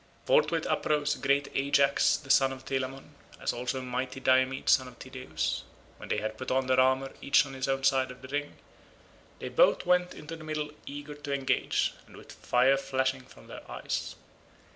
Forthwith uprose great Ajax the son of Telamon, as also mighty Diomed son of Tydeus. When they had put on their armour each on his own side of the ring, they both went into the middle eager to engage, and with fire flashing from their eyes.